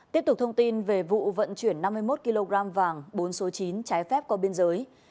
tiếp tục thông tin về vụ vận chuyển năm mươi một kg vàng bốn số chín trái phép qua biên giới